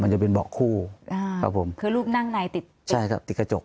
มันจะเป็นเบาะคู่อ่าครับผมคือรูปนั่งในติดใช่ครับติดกระจก